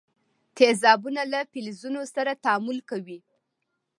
تیزابونه له فلزونو سره تعامل کوي.